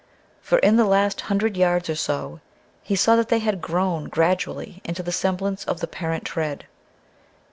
For, in the last hundred yards or so, he saw that they had grown gradually into the semblance of the parent tread.